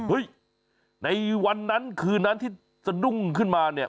ในวันนั้นคืนนั้นที่สะดุ้งขึ้นมาเนี่ย